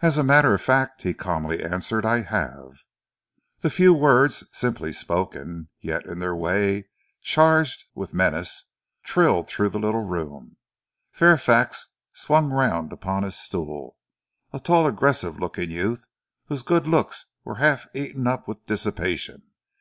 "As a matter of fact," he answered calmly, "I have." The few words, simply spoken, yet in their way charged with menace, thrilled through the little room. Fairfax swung round upon his stool, a tall, aggressive looking youth whose good looks were half eaten up with dissipation.